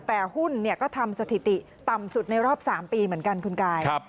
แต่หุ้นเนี่ยก็ทำสถิติต่ำสุดในรอบสามปีเหมือนกันคุณกายครับ